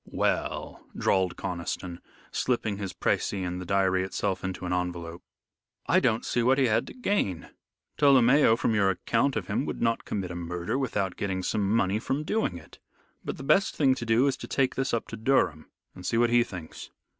"Well," drawled Conniston, slipping his precis and the diary itself into an envelope, "I don't see what he had to gain. Tolomeo, from your account of him, would not commit a murder without getting some money from doing it. But the best thing to do, is to take this up to Durham and see what he thinks."